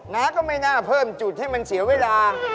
ก็ไม่น่าเพิ่มจุดให้มันเสียเวลา